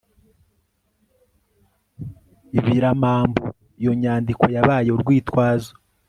ibiramambu iyo nyandiko yabaye urwitwazo